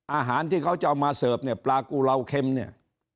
อาหารที่เขาจะเอามาเสิร์ฟเนี่ยปลากุลาวเค็มเนี่ย